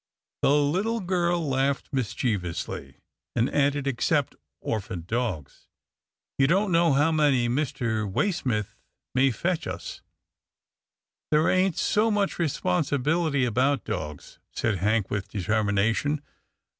The little girl laughed mischievously, and added, " Except orphan dogs. You don't know how many Mr. Waysmith may fetch us." " There ain't so much responsibility about dogs," said Hank with determination.